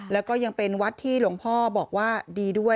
แล้วก็ยังเป็นวัดที่หลวงพ่อบอกว่าดีด้วย